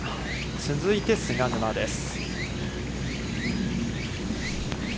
続いて菅沼です。